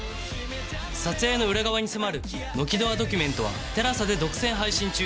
撮影の裏側に迫る「ノキドアドキュメント」は ＴＥＬＡＳＡ で独占配信中